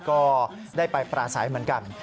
ก็ได้ไปปราศัยเหมือนกัน